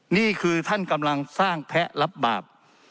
นี่คือท่านกำลังสร้างแพ้รับบาป